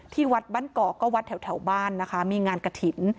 ที่วัดบ้านเกาะก็วัดแถวบ้านนะคะมีงานกระถิ่น